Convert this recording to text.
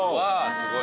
すごい。